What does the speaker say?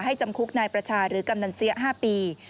จำคุกนายประชาหรือกำนันเสีย๕ปี